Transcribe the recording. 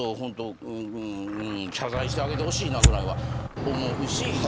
謝罪してあげてほしいなぐらいは思う。